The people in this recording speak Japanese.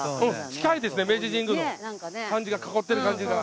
近いですね明治神宮の囲ってる感じが。